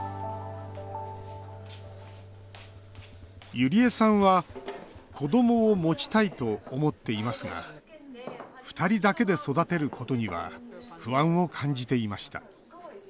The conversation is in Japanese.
ゆりえさんは子どもを持ちたいと思っていますがふたりだけで育てることには不安を感じていました。